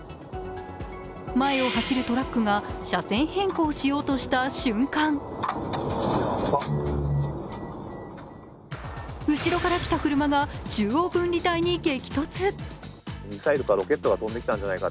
前を走るトラックが車線変更をしようとした瞬間後ろから来た車が中央分離帯に激突。